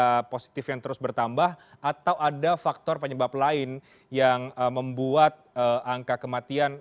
ada positif yang terus bertambah atau ada faktor penyebab lain yang membuat angka kematian